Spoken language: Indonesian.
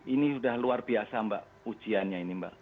ini sudah luar biasa mbak ujiannya ini mbak